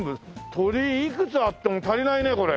鳥居いくつあっても足りないねこれ。